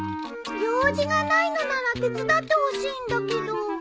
用事がないのなら手伝ってほしいんだけど。